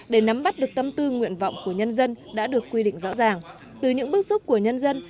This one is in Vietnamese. để nắm bắt được tâm tư nguyện vọng của nhân dân đã được quy định rõ ràng từ những bước xúc của nhân dân